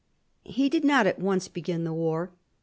He did not at once begin the war.